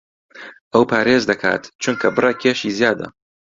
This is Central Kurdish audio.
ئەو پارێز دەکات چونکە بڕێک کێشی زیادە.